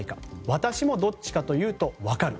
私もどっちかというと分かる。